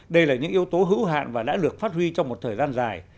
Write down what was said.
đây là những yếu tố hữu hạn và đã được phát huy trong một thời gian dài